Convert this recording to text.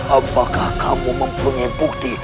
apakah kamu mempunyai bukti